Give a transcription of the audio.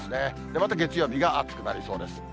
また月曜日が暑くなりそうです。